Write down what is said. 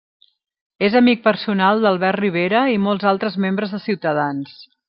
És amic personal d'Albert Rivera i molts altres membres de Ciutadans.